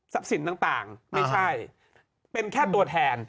สินต่างไม่ใช่เป็นแค่ตัวแทน